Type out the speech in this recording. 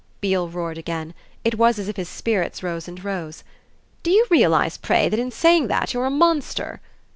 Beale roared again; it was as if his spirits rose and rose. "Do you realise, pray, that in saying that you're a monster?"